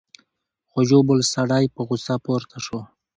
خو یو بل سړی په غصه پورته شو: